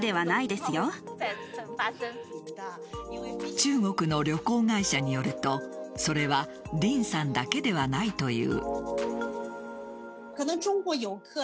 中国の旅行会社によるとそれはディンさんだけではないという。